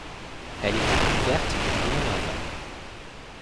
Elle était couverte de moulins à vent.